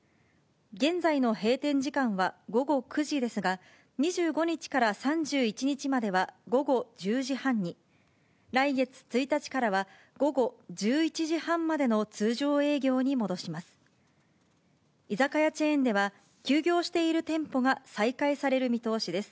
現在の閉店時間は午後９時ですが、２５日から３１日までは午後１０時半に、来月１日からは、午後１１時半までの通常営業に戻します。